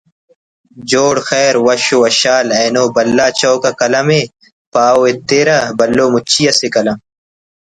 جوڑ خیر ……وش وشحال اینوبھلا چوک آ قلم ءِ پاہو ایترہ بھلو مچی اسے ……قلم